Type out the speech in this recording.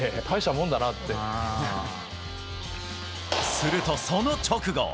すると、その直後。